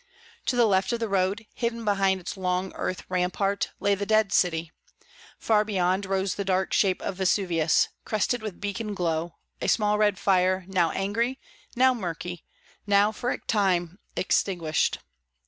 To the left of the road, hidden behind its long earth rampart, lay the dead city; far beyond rose the dark shape of Vesuvius, crested with beacon glow, a small red fire, now angry, now murky, now for a time extinguished.